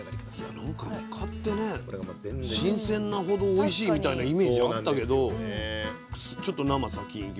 いやなんかイカってね新鮮なほどおいしいみたいなイメージあったけどちょっと生先いきますね。